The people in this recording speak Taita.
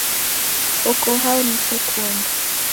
Koko hao niche kuonda?